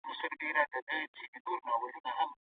کابل د سیمه ایزو اقتصادي سیالیو څخه نه وېریږي.